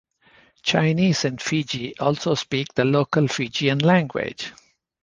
Chinese in Fiji also speak the local Fijian language.